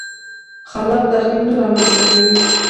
خلاق تخریب نه رامنځته کوي.